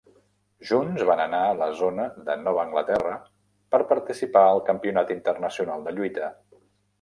Junts van anar a la zona de Nova Anglaterra per participar al campionat internacional de lluita.